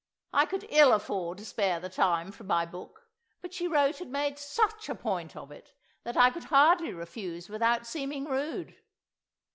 I could ill afford to spare the time from my book; but she wrote and made such a point of it, that I could hardly refuse without seeming rude.